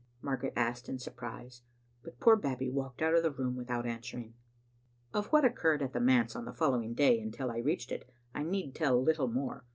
Margaret asked in sur prise, but poor Babbie walked out of the room without answering. Of what occurred at the manse on the following day until I reached it, I need tell little more.